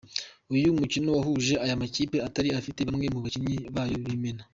Uyu mukino wahuje aya makipe atari afite bamwe mu bakinnyi bayo b’imena.